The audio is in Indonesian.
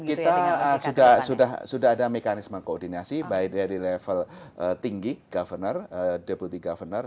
kita sudah ada mekanisme koordinasi dari level tinggi governor deputy governor